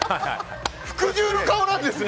服従の顔なんですね。